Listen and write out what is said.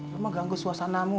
lo mah ganggu suasanamu